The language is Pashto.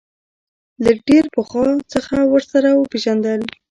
له ډېر پخوا څخه ورسره پېژندل.